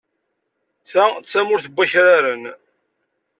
Ta d tamurt n wakraren.